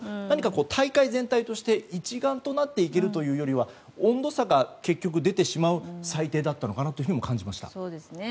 何か大会全体として一丸となっていけるというよりは温度差が、結局出てしまう裁定だったのかなとも感じました。